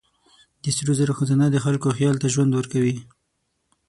د سرو زرو خزانه د خلکو خیال ته ژوند ورکوي.